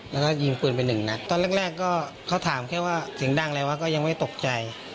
แล้วก็ยิงปืนไปหนึ่งนัดตอนแรกก็เขาถามแค่ว่าเสียงดังอะไรวะก็ยังไม่ตกใจ